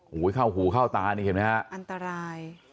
หูเข้าหูเข้าตาเห็นมั้ยฮะอันตราย